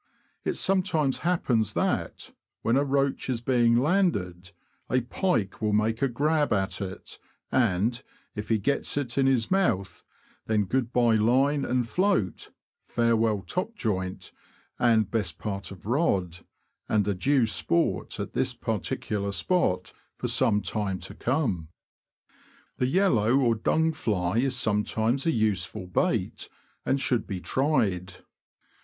It sometimes happens that, when a roach is being landed, a pike will make a grab at it, and, if he gets it in his mouth, then good bye line and float, farewell top joint and best part of rod, and adieu sport at this particular spot for some time to come ! The yellow or dung fly is sometimes a useful bait, and should be tried.